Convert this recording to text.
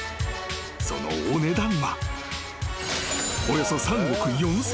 ［そのお値段は］